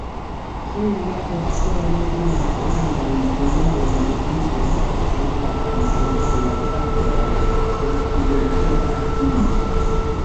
Frua ekkono de malgrandaj tumoroj ebligos ankaŭ la kancerkuracadon sen kirurgia apliko.